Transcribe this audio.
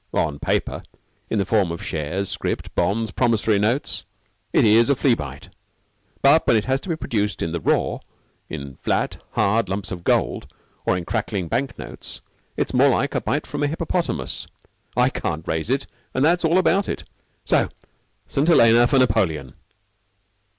"On paper in the form of shares, script, bonds, promissory notes, it is a flea bite. But when it has to be produced in the raw, in flat, hard lumps of gold or in crackling bank notes, it's more like a bite from a hippopotamus. I can't raise it, and that's all about it. So St. Helena for Napoleon."